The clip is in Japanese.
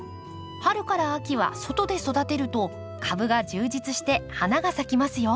春から秋は外で育てると株が充実して花が咲きますよ。